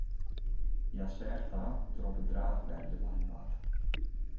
Hja seach ta hoe't er op in draachberje lein waard.